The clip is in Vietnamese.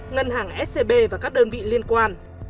ngân hàng scb và các đơn vị liên quan